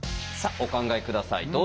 さあお考え下さい。